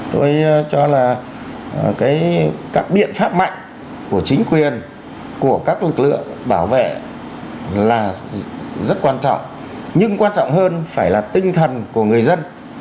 tôi cho là các biện pháp mạnh của chính quyền của các lực lượng bảo vệ là rất quan trọng nhưng quan trọng hơn phải là tinh thần của người dân